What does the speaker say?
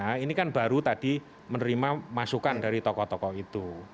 karena presiden baru tadi menerima masukan dari tokoh tokoh itu